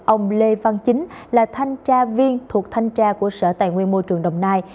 ông lê văn chính là thanh tra viên thuộc thanh tra của sở tài nguyên môi trường đồng nai